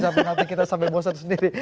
sampai nanti kita sampai bosan sendiri